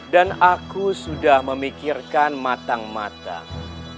dan aku sudah memikirkan matang matang